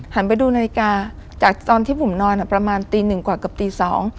ไปดูนาฬิกาจากตอนที่ผมนอนอ่ะประมาณตีหนึ่งกว่าเกือบตีสอง